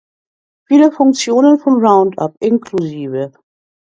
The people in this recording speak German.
Viele Funktionen von Roundup, incl.